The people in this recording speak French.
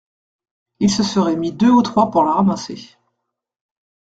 Ils se seraient mis deux ou trois pour la ramasser.